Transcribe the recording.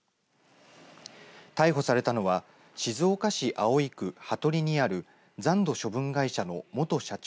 逮捕されたのは静岡市葵区羽鳥にある残土処分会社の元社長